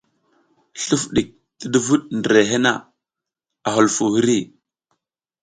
Sluf ɗik ti duvuɗ ndirehe na, a hulufuw hiri.